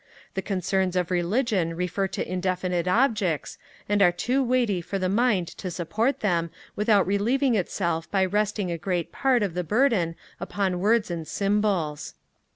The concerns of religion refer to indefinite objects, and are too weighty for the mind to support them without relieving itself by resting a great part of the burthen upon words and symbols.